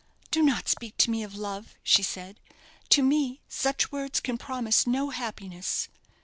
"Do not speak to me of love," she said; "to me such words can promise no happiness.